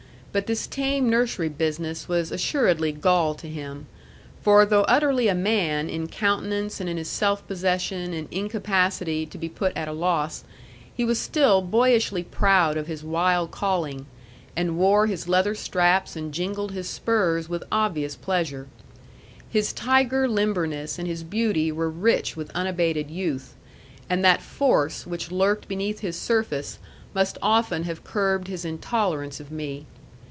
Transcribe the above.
But this tame nursery business was assuredly gall to him. For though utterly a man in countenance and in his self possession and incapacity to be put at a loss, he was still boyishly proud of his wild calling, and wore his leather straps and jingled his spurs with obvious pleasure. His tiger limberness and his beauty were rich with unabated youth; and that force which lurked beneath his surface must often have curbed his intolerance of me.